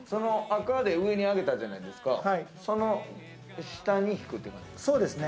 赤で上に上げたじゃないですか、その下に引く感じですか。